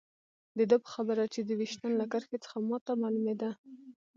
د ده په خبره چې د ویشتن له کرښې څخه ما ته معلومېده.